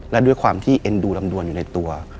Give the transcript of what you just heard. และด้วยความที่เอ็นดูลำดวนอยู่ในตัว